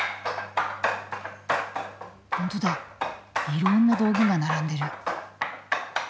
本当だいろんな道具が並んでる。